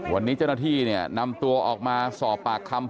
วันนี้เจ้าหน้าที่เนี่ยนำตัวออกมาสอบปากคำ